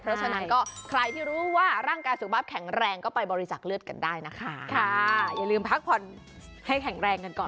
เพราะฉะนั้นใครที่รู้ว่าร่างกายสุขภาพแข็งแรง